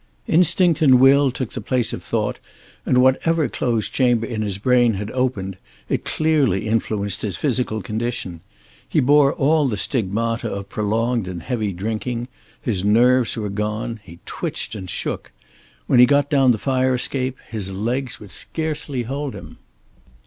Instinct and will took the place of thought, and whatever closed chamber in his brain had opened, it clearly influenced his physical condition. He bore all the stigmata of prolonged and heavy drinking; his nerves were gone; he twitched and shook. When he got down the fire escape his legs would scarcely hold him.